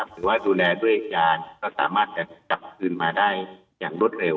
หรือว่าดูแลด้วยการก็สามารถจะกลับคืนมาได้อย่างรวดเร็ว